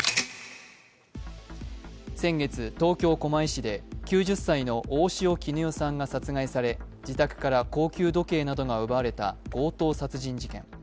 先月、東京・狛江市で９０歳の大塩衣与さんが殺害され自宅から高級時計などが奪われた強盗殺人事件。